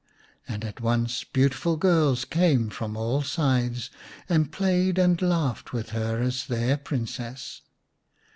And at once beautiful girls came from a]l sides and played and laughed with her as their Princess.